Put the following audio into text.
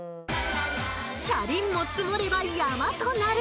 「チャリンも積もれば山となる！」